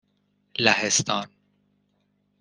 لهستان